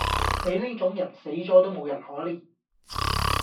你呢種人死左都無人可憐